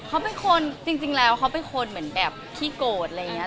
เขาเป็นคนจริงแล้วเขาเป็นคนเหมือนแบบขี้โกรธอะไรอย่างนี้